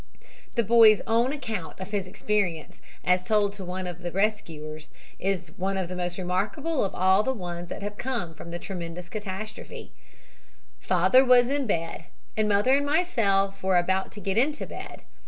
The boy's own account of his experience as told to one of his rescuers is one of the most remarkable of all the wonderful ones that have come from the tremendous catastrophe: "Father was in bed, and mother and myself were about to get into bed.